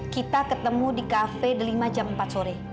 kita ketemu di kafe delima jam empat sore